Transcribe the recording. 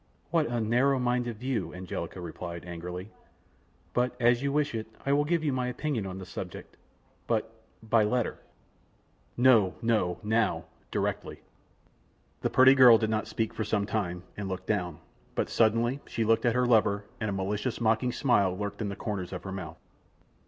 "What a narrow minded view," Angelica replied, angrily, "but as you wish it, I will give you my opinion on the subject, but ... by letter." "No, no; now, directly." The pretty girl did not speak for some time, and looked down, but suddenly she looked at her lover, and a malicious, mocking smile lurked in the corners of her mouth.